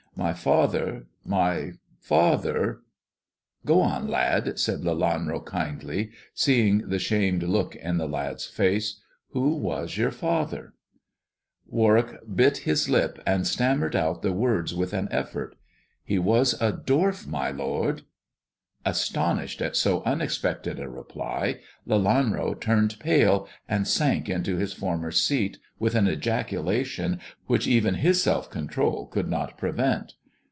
My father — my father " "Go on, lad," said Lelanro kindly, seeing the shamed look in the lad^s face, " who was your father ?" Warwick bit his lip, and stammered out the words with an effort. " He was a dwarf, my lord." Astonished at so unexpected a reply, Lelanro turned pale, and sank into his former seat with an ejaculation, which even his self control could not prevent.